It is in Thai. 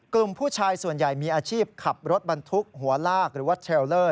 กลุ่มผู้ชายส่วนใหญ่มีอาชีพขับรถบรรทุกหัวลากหรือว่าเทรลเลอร์